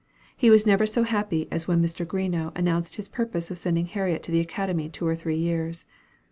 He was never so happy as when Mr. Greenough announced his purpose of sending Harriet to the academy two or three years.